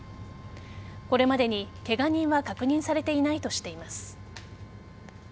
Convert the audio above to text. これまでにケガ人は確認されていないとしています。